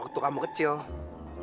waktu kamu kecil